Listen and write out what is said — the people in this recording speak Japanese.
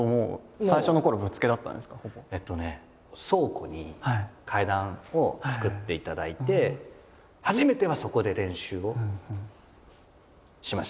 倉庫に階段を作っていただいて初めてはそこで練習をしました。